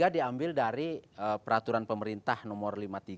lima puluh tiga diambil dari peraturan pemerintah nomor lima puluh tiga